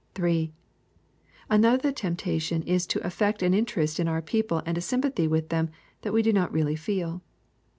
(3) Another temptation is to affect an interest in our people and a sympathy with them that we do not in reality feel.